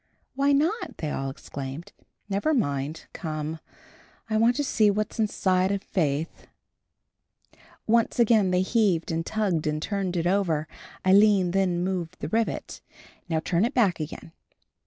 "Why not?" they all exclaimed. "Never mind. Come. I want to see what's inside i' faith." Once again they heaved and tugged and turned it over. Aline then moved the rivet. "Now turn it back again."